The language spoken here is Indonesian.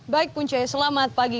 baik punca selamat pagi